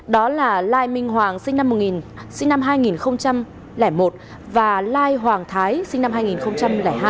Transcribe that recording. đó là lai minh hoàng sinh năm hai nghìn một và lai hoàng thái sinh năm hai nghìn hai